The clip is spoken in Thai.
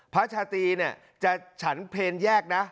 พระชาติจะฉันเพลนแยกนะ